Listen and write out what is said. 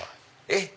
えっ？